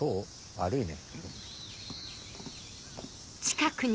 悪いね。